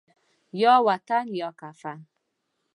یا وطن یا کفن